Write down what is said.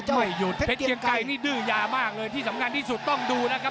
ไม่หยุดเพชรเกียงไกรนี่ดื้อยามากเลยที่สำคัญที่สุดต้องดูนะครับ